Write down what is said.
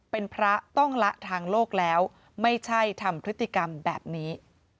เป็นพระต้องละทางโลกแล้วไม่ใช่ทำพฤติกรรมแบบนี้